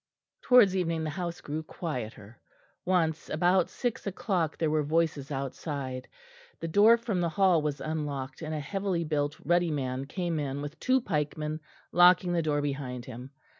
Towards evening the house grew quieter; once, about six o'clock, there were voices outside, the door from the hall was unlocked, and a heavily built, ruddy man came in with two pikemen, locking the door behind him.